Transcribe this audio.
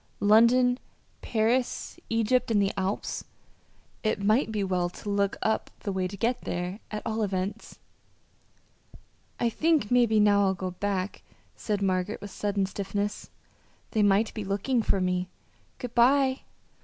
London, Paris, Egypt, and the Alps it might be well to look up the way to get there, at all events. "I think maybe now I'll go back," said Margaret, with sudden stiffness. "They might be looking for me. Good bye."